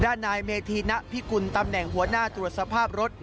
นายเมธีณพิกุลตำแหน่งหัวหน้าตรวจสภาพรถ